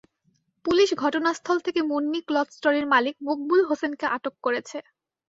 Police ঘটনাস্থল থেকে Munni cloth স্টোরের মালিক মকবুল হোসেনকে আটক করেছে।